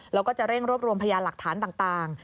แล้วก็จะเร่งรวบรวมพยานหลักฐานต่าง